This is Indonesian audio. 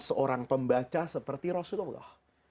seorang pembaca seperti rasulullah